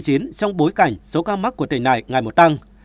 trong bối cảnh số ca mắc của tỉnh này ngày một tăng